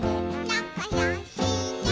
「なかよしね」